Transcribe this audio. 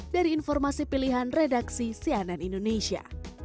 dari informasi pilihan redaksi cnn indonesia